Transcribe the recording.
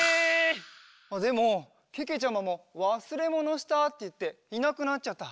でもけけちゃまも「わすれものした」っていっていなくなっちゃった。